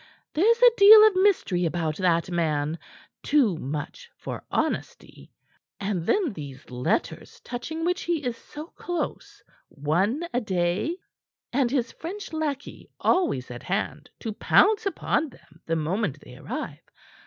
There's a deal of mystery about that man too much for honesty. And then these letters touching which he is so close one a day and his French lackey always at hand to pounce upon them the moment they arrive.